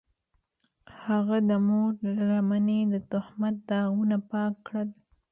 هغه د مور له لمنې د تهمت داغونه پاک کړل.